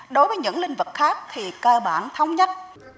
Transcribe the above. đối với những lĩnh vực khác thì cơ bản thống nhất